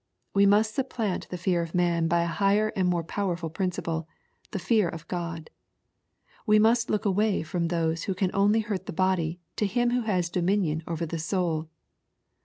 We must supplant the fear of man by a higher and more powerful principle, — the fear of God. We must look away from those who can only hurt the body to Him who has all dominion over the soul.